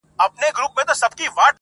كه كېدل په پاچهي كي يې ظلمونه؛